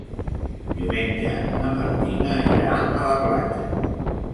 Diumenge na Martina irà a la platja.